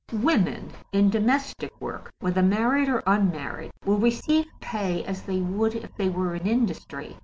Women in domestic work, whether married or unmarried, will receive pay as they would if they were in industry.